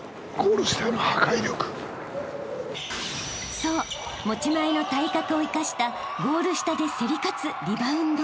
［そう持ち前の体格を生かしたゴール下で競り勝つ］